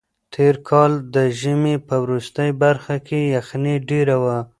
تېر کال د ژمي په وروستۍ برخه کې یخنۍ ډېره وه.